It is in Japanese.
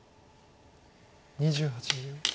２８秒。